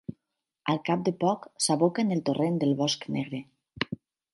Al cap de poc s'aboca en el torrent del Bosc Negre.